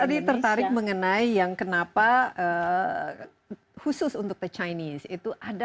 saya tadi tertarik mengenai yang kenapa khusus untuk chinese itu ada semacam di dalam